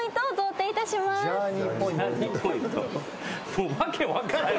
もう訳分からん。